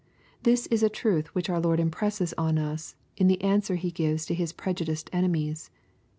This is a truth which our Lord impresses on us in the answer He gives to His prejudiced enemies.